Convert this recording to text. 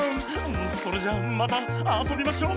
それじゃまたあそびましょ。